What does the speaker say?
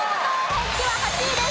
ホッケは８位です。